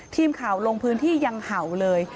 ทีมข่าวลงพื้นที่ยังเห่าเลย